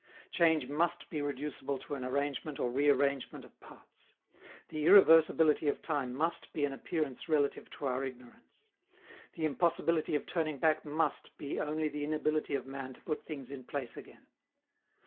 Change must be reducible to an arrangement or rearrangement of parts; the irreversibility of time must be an appearance relative to our ignorance; the impossibility of turning back must be only the inability of man to put things in place again.